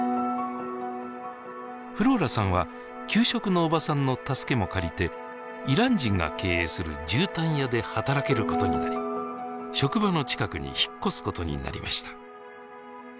フローラさんは給食のおばさんの助けも借りてイラン人が経営するじゅうたん屋で働けることになり職場の近くに引っ越すことになりました。